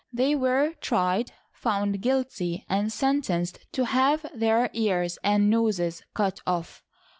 They were tried, found guilty, and sentenced to have their ears and noses cut off.